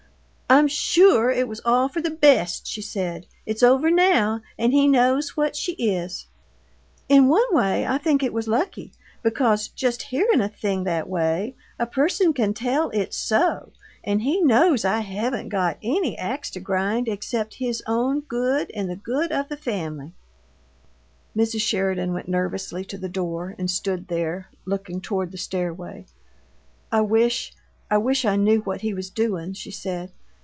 "I'm sure it was all for the best," she said. "It's over now, and he knows what she is. In one way I think it was lucky, because, just hearing a thing that way, a person can tell it's SO and he knows I haven't got any ax to grind except his own good and the good of the family." Mrs. Sheridan went nervously to the door and stood there, looking toward the stairway. "I wish I wish I knew what he was doin'," she said.